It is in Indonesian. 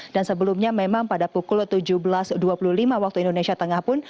sebelumnya memang pada pukul tujuh belas dua puluh lima waktu indonesia tengah pun